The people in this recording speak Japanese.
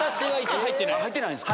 入ってないんですか。